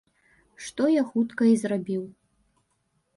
Што я хутка і зрабіў.